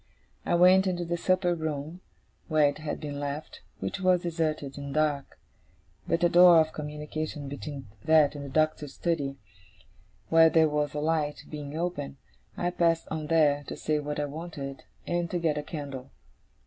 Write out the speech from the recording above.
I went into the supper room where it had been left, which was deserted and dark. But a door of communication between that and the Doctor's study, where there was a light, being open, I passed on there, to say what I wanted, and to get a candle.